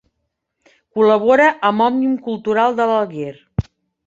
Col·labora amb Òmnium Cultural de l'Alguer.